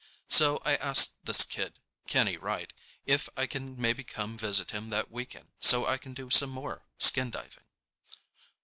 So I ask this kid—Kenny Wright—if I can maybe come visit him that weekend so I can do some more skin diving.